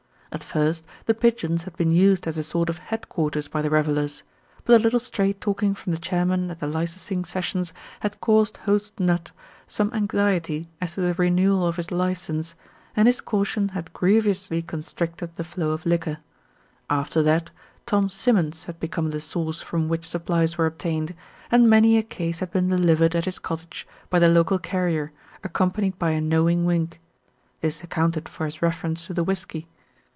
At first The Pigeons had been used as a sort of headquarters by the revellers ; but a little straight talk ing from the chairman at the licensing sessions had caused Host Nudd some anxiety as to the renewal of his license, and his caution had grievously constricted the flow of liquor. After that Tom Simmons had be come the source from which supplies were obtained, and many a case had been delivered at his cottage by the local carrier, accompanied by a knowing wink. This accounted for his reference to the whisky.